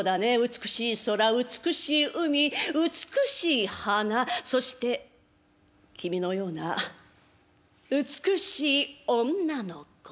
美しい空美しい海美しい花そして君のような美しい女の子」。